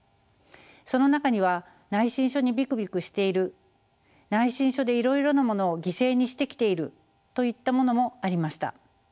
その中には「内申書にビクビクしている」「内申書でいろいろなものを犠牲にしてきている」といったものもありました。